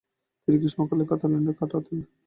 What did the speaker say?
তিনি গ্রীষ্মগুলো কাতালোনিয়াতেই কাটাতেন।